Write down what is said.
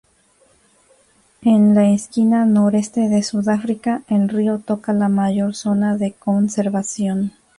En la esquina noreste de Sudáfrica el río toca la mayor zona de conservación.